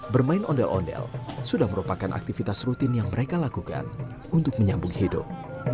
bermain ondel ondel sudah merupakan aktivitas rutin yang mereka lakukan untuk menyambung hidup